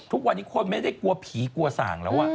ทุกวันนี้คนไม่ได้กลัวผีกลัวส่างแล้ว